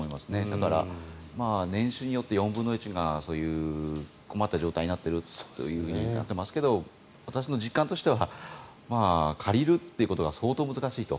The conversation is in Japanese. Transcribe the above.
だから、年収によって４分の１が困った状態になっているとなっていますが私の実感としては借りるということが相当難しいと。